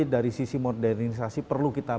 dari sisi modernisasi perlu kita